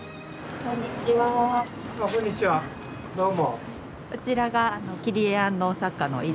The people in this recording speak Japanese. こんにちはどうも。